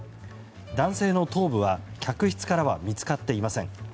男性の頭部は客室からは見つかっていません。